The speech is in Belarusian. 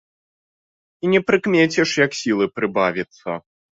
І не прыкмеціш, як сілы прыбавіцца.